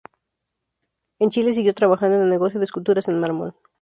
En Chile siguió trabajando en el negocio de esculturas en mármol.